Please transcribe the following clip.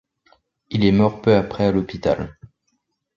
Il est mort peu après à l'hôpital.